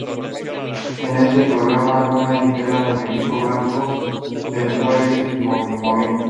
En ese programa, Luna integra el Equipo Blanco, del cual ella es comodín.